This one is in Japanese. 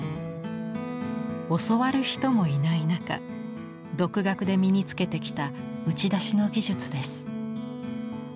教わる人もいない中独学で身につけてきた打ち出しの技術です。